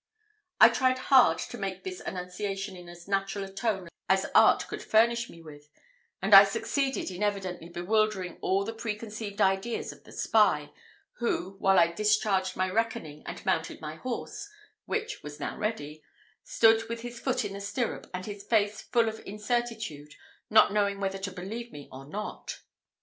I tried hard to make this annunciation in as natural a tone as art could furnish me with; and I succeeded in evidently bewildering all the preconceived ideas of the spy, who, while I discharged my reckoning and mounted my horse, which was now ready, stood with his foot in the stirrup, and his face full of incertitude, not knowing whether to believe me or not.